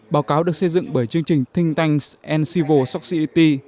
báo cáo được xây dựng bởi chương trình thinh tanks and civil society